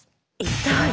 痛い！？